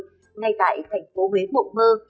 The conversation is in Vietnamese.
hay tại thành phố huế mộng mơ